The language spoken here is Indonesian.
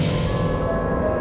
aku akan menang